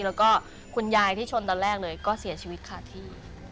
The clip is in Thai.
แล้วก็คุณยายที่ชนตอนแรกเลยก็เสียชีวิตขาดที่